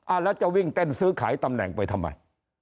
แล้วจะวิ่งเต้นซื้อขายตำแหน่งไปทำไม